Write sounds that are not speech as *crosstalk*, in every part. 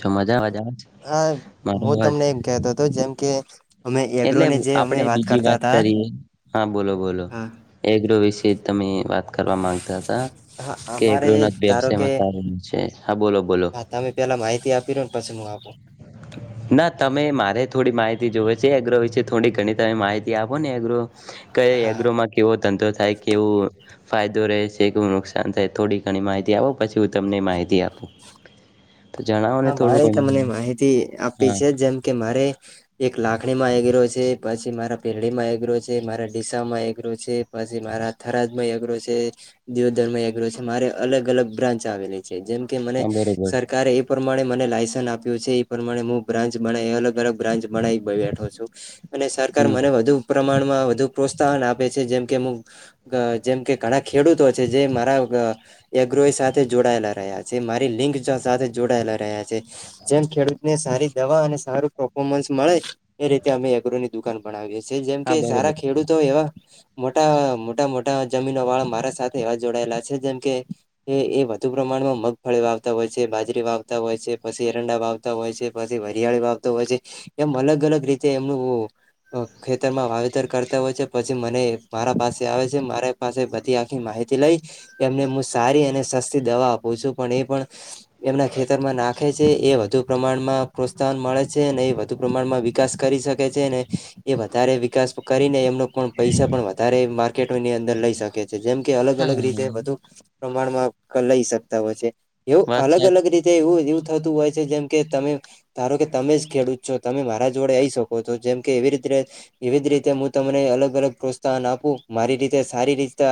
છો મજા અવાજ આવે છે હા, હા મારો હું અવાજ તમને એક કતો હતો જેમ કે અમે એટલે એગ્રોની જે અમે આપડે બીજી કરતા વાત હતા કરીએ. હા, બોલો બોલો હા એગ્રો વિશે તમે વાત કરવા માંગતા હતા. કે અમારે ગૃહનાથ ધારો કે વ્યવસાયમાં સારું છે. હા, બોલો બોલો હા તમે પેલા માહિતી આપી દો ને પછી હું આપું ઓ ના તમે મારે થોડી માહિતી જોવો છે એગ્રો વિશે થોડી ઘણી તમે માહિતી આપો ને એગ્રો કએ હા એગ્રોમાં કેવો ધંધો થાય કે કેવું ફાયદો રહે છે કે નુકસાન થાય થોડી ઘણી માહિતી આપો પછી હું તમને માહિતી આપું. તો જણાવો ને થોડું ગણું એ આપી છે જેમ કે મારે એક લાખણી માં એગરો છે પછી મારા પેરડી માં એગરો છે મારા ડીસા માં એગરો છે પછી મારા થરાદમય અગ્ર છે દિયોદરમ અગ્ર છે મારે અલગ અલગ બ્રાચ આવેલી છે. જેમ કે મને હા બરોબર સરકાર એ અને મને લાયસન્સ આપ્યું છે એ પ્રમાણે હું બ્રાન્ચ બના અલગ અલગ બ્રાન્ચ બનાવી બેઠો છું. અને સરકાર હમ મને વધુ પ્રમાણ માં વધુ પ્રોત્સાહન આપે છે જેમકે હું અહ જેમ કે ઘણા ખેડૂતો છે જે મારા અહ એગ્રો એ સાથે જોડાયેલા રહ્યા છે મારી લિંગ સાથે જોડાયેલા રહ્યા છે. જેમ ખેડૂતને સારી દવા અને સારું પફોર્મન્સ મળે એ રીતે અમે એગ્રો ની દુકાન બએ છી જેમ હા કે સારા બરોબર ખેડૂતો એવા મોટા મોટા મોટ ના જમીન વાળા મારા સાથે જોડાયેલા છે જેમકે એ એ વધુ પ્રમાણમાં મગફળી આવતા હોય છે બાજરી ટે વાવતા હોય છે. પછી એરંડા વાવતા હોય છે, પછી વરિયાળી વાવતો હોય છે, એમ અલગ અલગ રીતે એમનું ઉહ અહ ખેતરમાં વાવેતર કરતા હોય છે પછી મને મારા પાસે આવે છે. મારા પાસે પછી આખી માહિતી લઈ એમને હું સારી અને સસ્તી દવા આપું છું પણ એ પણ એમના ખેતરમાં નાખે છે એ વધુ પ્રમાણમાં પ્રોત્સાહન મળે છે. અને ને એ વધુ પ્રમાણમાં વિકાસ કરી કરી શખે છે ને એ વધારે વિકાસ કરીને એમનો પણ પૈસા પણ વધારે માર્કેટની અંદર લઈ શકે છે જેમ કે અલગ હા અલગ રીતે વધુ પ્રમાણમાં લઈ શકતા હોય છે એવું વાત અલગ સાચી અલગ રીતે એવું એવું થતું હોય છે જેમ કે તમે ધારો કે તમે ખેડૂત છો તમે મારા જોડે આવી શકો છો જેમ કે એવી રીતે એવી જ રીતે હું તમને અલગ અલગ અલગ પ્રોત્સાહન આપું મારી રીતે સારી રીતે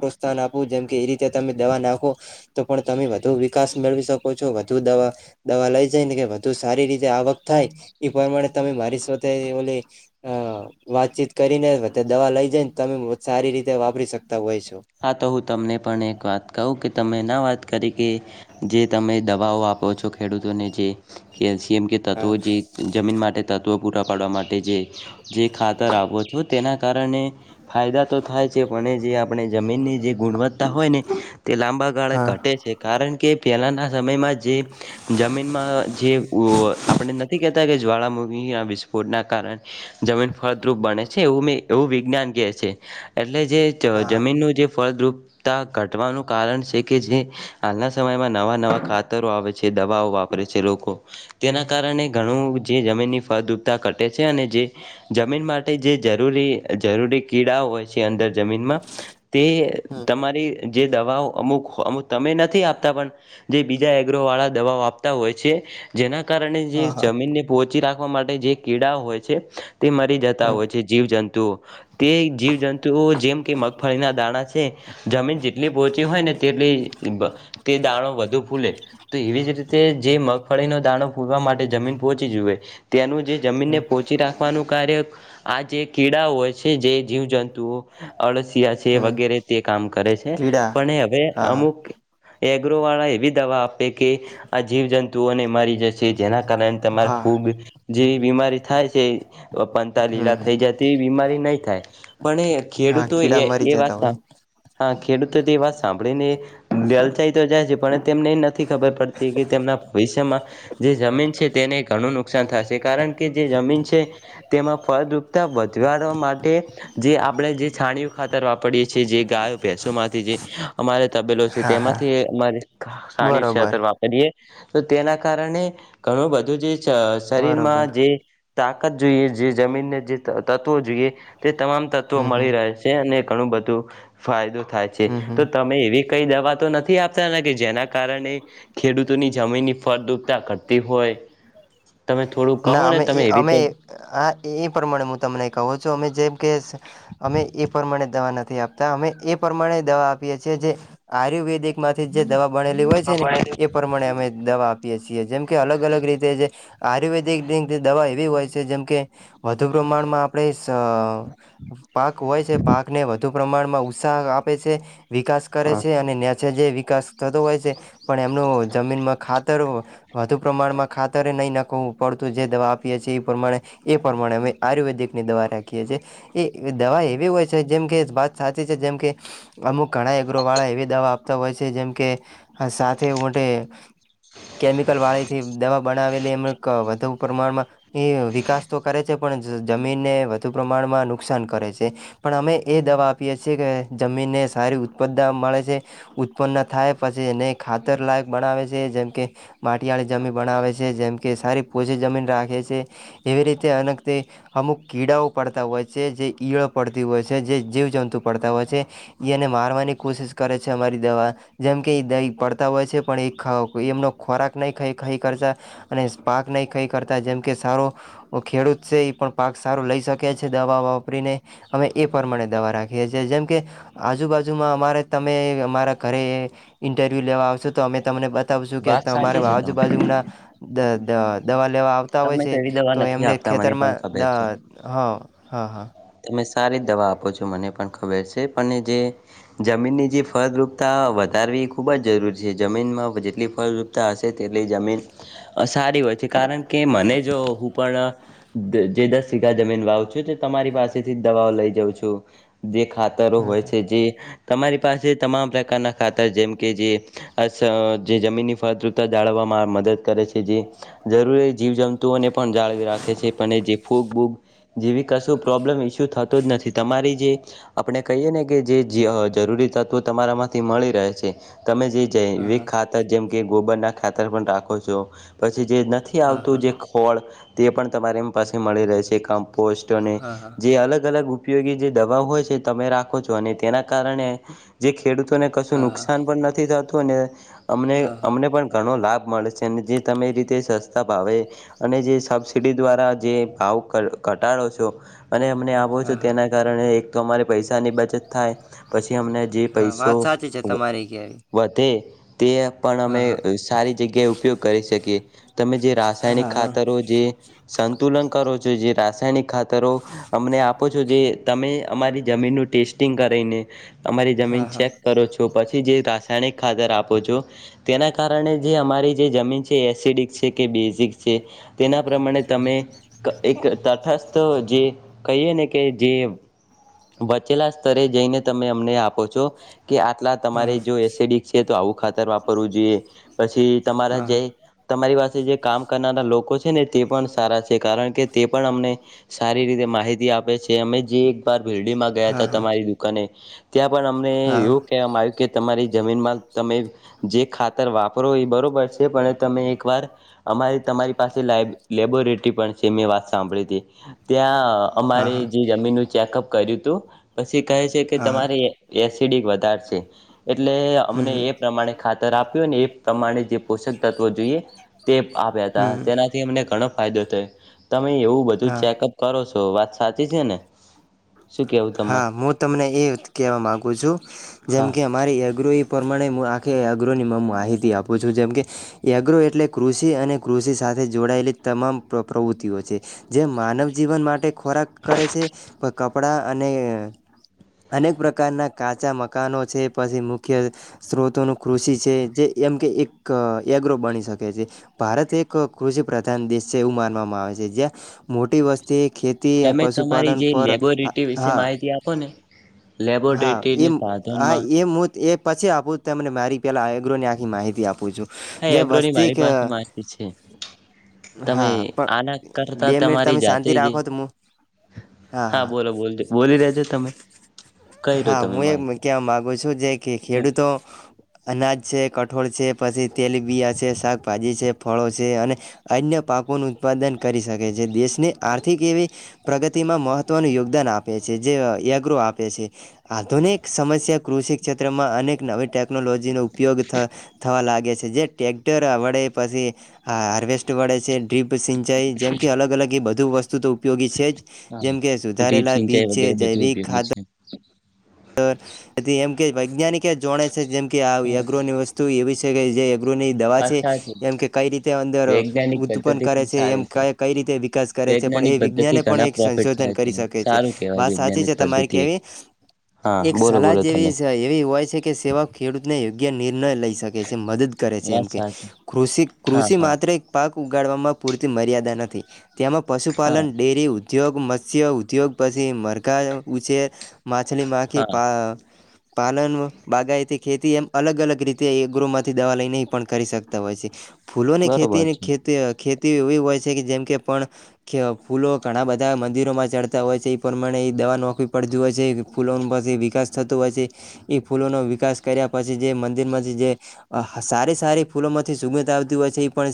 પ્રોત્સાહન આપું જેમ કે એ રીતે તમે દવા નાખો તો પણ તમે વધુ વિકાસ મેળવી શકો છો વધુ દવા દવા લઈ જાય ને કે વધુ સારી રીતે આવક થાય એ પ્રમાણે તમે મારી શ્ર તે ઓલી અહ વાતચીત કરીને વ દવા લઈ જઈને તમે સારી રીતે વાપરી સકતા હોય છે. હા, તો હું તમને પણ એક વાત કહું કે તમે ના વાત કરીકે જે તમે દવાઓ આપો છો ખેડૂતોને જે કે કેમ કે તત્વો હા જે જમીન માટે તત્ત્વો પૂરાં પાડવા માટે જે જે ખાતર આપો છો તેના કારણે ફાયદા તો થાય છે પણ જે આપણે જમીનની જે ગુણવત્તા હોય ને તે લાંબા ગાળા ઘટે છે કારણ કે પહેલાના સમયમાં જે જમીનમાં જે ઉવા આપણે નથી કેતા કે જ્વાળામુખીના વિસ્ફોટના કારણે જમીન ફળદ્રુપ બને છે એવું મેં એવું વિજ્ઞાન કેહે છે. એટલે જ હા જમીનનું જે ફળદ્રુપતા ઘટવાનું કારણ છે કે જે હાલના સમયમાં નવા નવા ખાતરો આવે છે દવાઓ વાપરે છે લોકો. તેના કારણે ઘણું જે જમીનની ફળદરતા ઘટે છે અને જે જમીન માટે જે જરૂરી જરૂરી કીડાઓ હોય છે અંદર જમીન તે હમ તમારી. જે દવાઓ અમુક અમુક તમે નથી આપતા પણ જે બીજા એગ્રો વાળા દવાઓ આપતા હોય છે. જેના કારણે જે હા હા જમીનને પોચી રાખવા માટે જે કીડાઓ હોય છે. તે મરી જતા હમ હોય છે જીવજંતુઓ તે જીવજંતુઓ જેમકે મ મગફળીના દાણાં છે જમીન જેટલી પોચી હોય ને તેટલી તે દાણો વધુ ફૂલે તો એવી જ રીતે જે મગફળીનો દાણો પૂરવા માટે જમીન પોચી જ હોય તેનું જે જમીનને હમ પોચી રાખવાનું કાર્ય. આ જે કીડાઓ હોય છે જે જીવજંતુઓ અળ છે હમ વગેરે તે કામ કરે છે કીડા પણ હવે હા હા અમુક એગ્રો વાળા એવી દવા આપે કે આ જીવ જંતુઓને મારી જેના કારણે તમારે હા ફૂગ જેવી બીમારી થાય છે પતા હમ લીલા હમ થઈ જ તે બીમારી નહી થાય પણ એ હા ખેડૂતો કીડા એ મરી એ જતા વાસ્તા હોય ખેડૂતો તે વાત સાંભળીને લલચાઈ તો જાય છે પણ તેમને નથી. થી ખબર પડતી કે તેમના ભવિષ્યમાં. જે જમીન છે તેને ઘણું નુકસાન થશે કારણ કે જે જમીન છે તેમાં ફળદ્રુપતા વધ જીવાળવા માટે જે આપણે જે છાણીયુ ખાતર વાપરીએે છીએ જે ગાયો ભેસો માંથી જે અમારે તબેલો છે હા હા તેમાંથી અમારે છાણીયું બરોબર ખાતર વાપરીએ તો તેના કારણે ઘણું બધું જે બરોબર શરીરમાં જે તાકાત જોઈએ જે જમીનને જે તત્વો જોઈએ તે તમામ તત્વો હમ હમ મળી રહે છે. ને ઘણુ બધુ ફાયદો થાય છે હમ હમ તો તમે એવી કઈ દવા તો નથી આપતા જેના કારણે ખેડૂતોની જમીનની ફળદુપતા ઘટતી હોય. તમે થોડું ના કહો ને અમે એ તમે એવી અમે તો આ એ પ્રમાણે હું તમને કહું છું અમે જે. કે અમે એ પ્રમાણે દવાના આપતા અમે એ પ્રમાણે દવા આપીએ છીએ જે આયુર્વેદિક માંથી જે દવા બનેલી હોય છે ને એ હા પ્રમાણે અમે દવા આપીએ છીએ જેમ કે અલગ અલગ રીતે જે આયુર્વેદ. દવા એવી હોય છે જેમ કે. વધુ પ્રમાણમાં આપણે પાક હોય છે પાકને વધુ. પ્રમાણમાં ઉત્સાહ આપે છે વિકાસ કરે છે અને નેચ છે જે વિકાસ થતો હોય છે પણ એમનું જમીનમાં ખાતર વધુ પ્રમાણમાં ખાતરે નહીં નાખવું પડતું જે દવા આપીએ છીએ એ પ્રમાણે એ પ્રમાણે અમે આયુર્વેદિકની દવા રાખીએ છીએ એ દવા એવી હોય છે જેમ કે વાત સાચી છે જેમ કે અમુક ઘણા એગ્રો વાળા એવી દવા આપ. હોય છે જેમ કે આ સાથે મો. કેમિકલ વાળીથી દવા બનાવેલી એમ વધુ પ્રમાણમાં વિકાસ તો કરે છે. જમીનને વધુ પ્રમાણમાં નુકસાન કરે છે પણ અમે એ દવા આપીએ છીએ કે જમીન. ને સારી ઉત્પાદન મળે છે ઉત્પન્ન થાય પછી એને ખાતરલાયક બનાવે છે જેમ કે. માટીવાળી જમીન બનાવે છે જેમ કે. કે સારી પૉચીજમીન રાખે છે એવી રીતે અને અમુક કીડાઓ પડતા હોય છે. જે ઈયળો પડતી હોય છે જે જીવજંતુ પડતા હોય છે એને મારવાની કોશિશ કરે છે અમારી દવા જેમકે દહી પડતા હોય છે પણ એ એમનો ખોરાક નહી ખ ખાઈ કરતા. અને પાક નહીં ખઈ કરતા જેમ કે સારો ખેડૂત છે એ પણ પાક સારો લઈ શકે છે દવા વાપરીને અમે એ પ્રમાણે દવા રાખીએ છીએ જેમ કે આજુબાજુમાં અમારે તમે અમારા ઘરે ઇન્ટરવ્યુ લેવા આવશે તો અમે તમને તમે સુંકે વાત તમારે સાચી છે તમારી આજુબાજુના દવા લેવા આવતા હોય તમે છે એવી દવા તો નથી એમને આપતા મને પણ ખેતરમાં ખબર છે હ હા હા. તમે સારી દવા આપો છો મને પણ ખબર છે પણ જે જમીનની જે ફળદ્રુપતા વધારે. ખૂબ જ જરૂરી છે જમીનમાં જેટલી ફળપતા હશે તેટલી જમીન સારી હોય છે કારણ કે. કે મને જો હું પણ જે દસ સીગા જમીન વાવ છું તો તમારી પાસેથી દવાઓ લઈ. જઉ છું જે ખાતરો હમ હોય હમ છે જે. તમારી પાસે તમામ પ્રકારના ખાતર જેમ કે જે અસ જે જમીનની ફળદ્રુપતા જાળવવા. માં મદદ કરે છે. જે જરૂરી જીવ જંતુઓને પણ જાળવી રાખે છે. પણ એ જે ફૂગ બૂગ જેવી કશું પ્રોબ્લેમ ઈસ્યુ થતો જ નથી થી તમારી જે આપણે કહીએ ને કે જે જરૂરી તત્વો તમારા માંથી મળી રહે છે. તમે જે હા જૈવિક હા ખાતર જેમ કે ગોબરના ખાતર પણ રાખો છો. પછી જે નથી હા આવત તું હા જે ખોળ તે પણ તમારીમ પાસે મળી રહે છે. કમ્પોસ્ટ અને હા હા જે અલગ અલગ ઉપ ઉપયોગી જે દવા હોય છે, તમે રાખો છો અને તેના કારણે જે ખેડૂતોને કશું હા નુકસાન પણ નથી થાતું. અને અમને હા અમને પણ ઘણો લાભ મળે છે ને જે તમે રીતે સસ્તા ભાવે અને જે સબસિડી દ્વારા જે ભાવ ઘટાડો છો. અને અમને આપો છો હા હા તેના કારણે એક તો અમારે પૈસાની બચત થાય પછી, અમને જે હા પૈસો વાત સાચી છે વ તમારી કેવી વધે તે પણ અમે હા સારી જગ્યાએ ઉપયોગ કરી શકીએ. તમે જે રાસાયણિક હા હા ખાતરો જે સંતુલન કરો છો. જે રાસાયણિક ખાતરો અમને આપ આપો છો જે તમે અમારી જમીનનું ટેસ્ટિંગ કરીને અમારી જમીન હા હા ચેક કરો છો પછી છી જે રાસાયણિક ખાતર આપો છો તેના કારણે જે અમારી જે જમીન છે એસિડિક છે. કે બેઝિક છે તેના પ્રમાણે તમે એક તટસ્થ જે કહીએ ને કે જે વચેલા સ્તરે જઈને તમે અમને આપ પો છો કે આટલા તમારે હા જો એસિડિક છે તો આવું ખાતર વાપરવું જોઈએ. પછી તમારા અ હા જય હા તમારી પાસ કામ કરનારા લોકો છે ને તે પણ સારા છે. કારણ કે તે પણ અમને સારી રીતે માહિતી આપે છે. અમે જે એકવાર ભીરડીમાં હા ગયાતા હા તમારી દુકાને ત્યાં પણ અમને એવું કહેવામાં આવ્યું કે તમારી જમીનમાં તમે જે ખાતર વાપરો એ બરોબર છે. પણ તમે એક વાર અમારે તમારી પાસે લાઇબ લેબોરેટરી પણ છે. મેં વાત સાંભળી તી ત્યાં હા અમારે હા જે જમીનનું ચેકઅપ કર્યું તું પછી કહે છે કે હા તમારે એસ ડિક વધાર છે. એટલે અમને હમ એ પ્રમાણે ખાતર આપ્યું ને એ પ્રમાણે જે પોષક તત્વો જોઈએ તે આપ્યા તા. હમ તેનાથી અમને ઘણો ફાયદો થયો. તમે એવું બધું હા ચેકઅપ કરો છો. વાત સાચી છે ને? શું કેવું? તમારે હા હું તમને એ કહેવા માગુ છું. જેમ હા કે અમારી એગ્રોહી પ્રમાણે મું આ કે એગ્રોની મ માહિતી આપું છું. જેમકે એગ્રો એટલે કૃષિ અને કૃષિ સાથે જોડાયેલી તમામ પ્ર પ્રવૃત્તિઓ છે. જે માનવ જીવન માટે ખોરાક કરે છે. કપડાં અને અનેક પ્રકારના કાચા મકાનો છે, પછી મુખ્ય સ્ત્રોતોનું કૃષિ છે. જે એમ કે એક એગ્રો બની શકે છે. ભારત એક કૃષિ પ્રધાન દેશ છે એવું માનવામાં આવે છે. છે. જ્યાં મોટી વસ્તી, ખેતી તમે તમારી પશુપાલન જે પર લેબોરેટરી વિશે હા માહિતી આપો ને હા લેબોરેટરીની એમ હા સાધનમાં એમ હોત એ પછી આપું તમને મારી પહેલાં આ એગ્રોની આખી માહિતી આપું છું. હા જે એગ્રોની વસ્તી મારી પાસે માહિતી છે. તમે હા આના પણ કરતાં બે મિનિટ તમારી તમે શાંતિ જાતેજ એ રાખો તો હું હા બોલ ચલો બોલજો બોલી દેજો તમે. કઈ દો હા તમે મું એમ માહિતી કેવા માગુ છું. જે કે ખેડૂતો અનાજ છે, કઠોળ છે, પછી તેલબિયા છે, શાકભાજી છે, ફળો છે, અને અન્ય પાકોનું ઉત્પાદન કરી શકે. જે દેશ ની આર્થિક એવી પ્રગતિમાં મહત્વનું યોગ દાન આપે છે. જે એગ્રો આપે છે. આધુનિક સમસ્યા કૃષિક્ષેત્રમાં અનેક નવી ટેકનોલોજીનો ઉપયોગ થ થવા લાગે. છે. જે ટ્રેક્ટર આવડે પછી હાર્વેસ્ટ વડે છે ડ્રીપ સિંચાઈ જેમ કે અલગ અલગ એ બધુ વસ્તુ તો ઉપયોગી છે જ. હા જેમ કે ડ્રીપ સુધારેલા બીજ સિંચાઈ છે. વગેરે બધું જૈવિક ઉપયોગી ખાતર *inaudible* એમ કે વૈજ્ઞાનિક એ જોણે છે. જેમ કે આ એગ્રોની વસ્તુ એવી છે. કે જે એગ્રોની દવા છે. એમ કે કઈ રીતે અંદર વૈજ્ઞાનિક ઉત્પન્ન પદ્ધતિ કરે ખુબ છે. એમ સારી કઈ રીતે વિકાસ કરે કરે છે. પણ વૈજ્ઞાનિક એ પદ્ધતિ વિજ્ઞાને પણ ઘણા એક પ્રોફિટ સંશોધન થાય છે કરી શકે છે. સારું કેહેવાય વાત સાચી વૈજ્ઞાનિક છે. તમારી પદ્ધતિ એક કેવી હા એક બોલો સલાહ બોલો તમે જેવી એવી હોય છે. કે સેવા ખેડૂતને યોગ્ય નિર ન લઈ શકે છે. મદદ કરે છે. એમ વાત કે સાચી કૃષિ હા કૃષિ હા માત્ર એક પાક ઉગાડવામાં પૂરતી મર્યાદા નથી તેમાં હા પશુપાલન ડેરી ઉ ઉદ્યોગ મત્સ્ય ઉદ્યોગ પછી મરઘા ઉછેર માછલી કે હા પા પાલન બાગાયતી ખેતી એમ અલગ-અલગ રીતે એગ્રોમાંથી દવા લઈને પણ કરી શકતા હોય છે. ફૂલો ની બરોબર ખેતી છે ખેતી ખેતી એવી હોય છે. જેમ કે ફૂલો ઘણા બધા મંદિરોમાં ચડતા હોય છે. એ પ્રમાણે દવા નોકરી પર હોય છે. ફૂલોસ વિકાસ થતો હોય છે. એ ફૂલોનો વિકાસ કર્યા પછી જે મંદિર માંથી જે સારી સારી ફૂલો માંથી સૂંઘથ આવતી હોય છે. એ પણ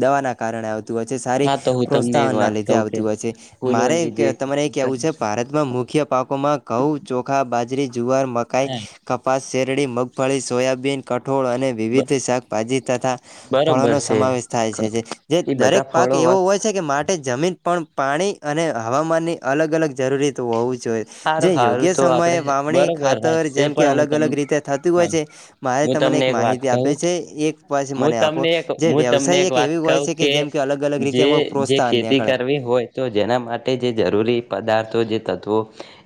દવા ના કારણે આવતી હોય. સારી હા તો હું તમને એક પ્રોત્સાહન ના વાત લીધે કહું કે આવતું હોય છે. મારે ફૂલોની જે તમારે એ ખેતી કેહેવું કરું છે. છું ભારતમાં મુખ્ય મુખ્ય પાકોમાં ઘઉ ચોખા બાજરી, જુવાર, મકાઈ, હા કપાસ, શેરડી, મગફળી, સોયાબીન કટ ઠોળ અને વિવિધ શાકભાજી તથા બરોબર ફળોનો છે સમાવેશ થાય છે. જે એ બધા દરેક પાક ફળો એવું વાત હોય છે. કે મા માટે જમીન પણ પાણી અને હવામાનની અલગ-અલગ જરૂરિયાત હોવું જોઈએ. જે સારું યોગ્ય સારું તો સમયે આપડે વાવણી બરોબરત ખાતર છે. જેમ કે પણ હું અલગ અલગ રીતે થતું તમને હા હોય છે મારે હું તમને એક વાત માહિતી કહું. આપે છે એક પછી હું મને આપો તમને એક જે હું તમને વ્યવસાય એક વાત એવી હોય કવું છે કે જેમ અલગ અલગ રીતે એમાં જે પ્રોત્સાહન ખેતી નીકળે કરવી હોય. તો જેના માટે જે જરૂરી પદાર્થો જે તત્ત્વો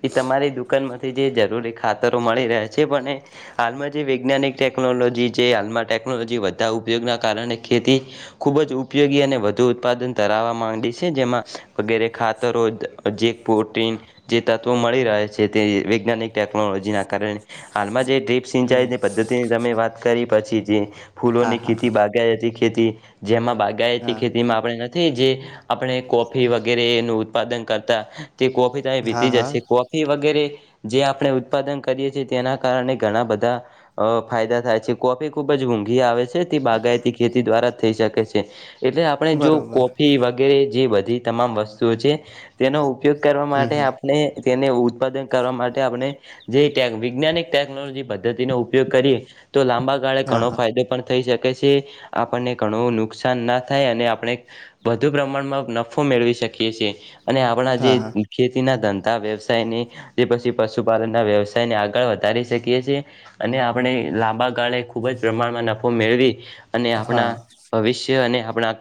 એ તમારી દુકાન માંથી જે જરૂરી ખાતરો મળી રહ્યા છે. પણ હાલમાં જે વૈજ્ઞાનિક ટેકનોલોજી જે હાલમાં ટેકનોલોજી બધા ઉપયોગના કારણે ખેતી ખૂબ જ ઉપયોગી અને વધુ ઉત્પાદન ધરાવા માંડી છે. જેમાં વગેરે ખાતરો જેક પ્રોટીન જે તત્વો મળી રહે છે. તે વૈજ્ઞાનિક ટેકનોલોજીના કારણે હાલમાં જે ડ્રીપ હમ સિંચાઈની પદ્ધતિની તમે વાત કરી પછી જે હા ફૂલોની હા ખેતી બાગાયતી ખેતી. ખેતી, જેમાં બાગાયતી હા ખેતીમાં આપણે નથી જે આપણે કોફી વગેરેનું ઉત્પાદન કરતા, તે કોફી ત હા તે જસે, હા કોફી વગેરે જે આપણે ઉત્પાદન કરીએ છીએ, તેના કારણે ઘણા બધા અ ફાયદા થાય છે. કોફી ખુબ જ મોંઘી આવે છે, તે બાગાયતી ખેતી દ્વારા જ થઈ શકે છે. એટલે આપણે જો બરોબર કોફી વગેરે જે બધી તમામ વસ્તુઓ છે. તેનો ઉપયોગ કરવા હમ માટે હમ આપ તેને ઉત્પાદન કરવા માટે આપણે જે વજ્ઞાનિક ટેકનોલોજી પદ્ધતિનો ઉપયોગ કરીએ. તો લાંબા ગાળે હા ઘણો હા ફાયદો પણ થઈ શકે છે. આપણને ઘણું નુકસાન ના થાય અને આપણે વધુ પ્રમાણમાં નફો મેળવી શકીએ છીએ. અને આપણા જે હા હા ખેતીના ધંધા વ્યવાય જે પછી પશુપાલન ના વ્યવસાયને આગળ વધારી શકીએ છીએ અને લાંબા ગાળે ખુબ જ પ્રમાણમાં નફો મેળવી અને આપણા હા ભવિષ્ય અને આપણા